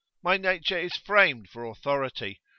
My nature is framed for authority.